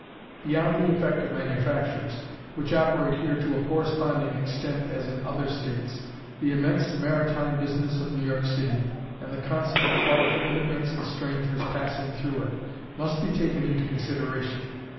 Beyond the effect of manufactures, which operate here to a corresponding extent as in other states, the immense maritime business of New York City, and the constant flood of immigrants and strangers passing through it, must be taken into consideration.